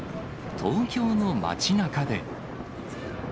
東京の街なかで。